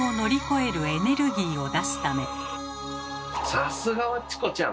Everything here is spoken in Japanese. さすがはチコちゃん！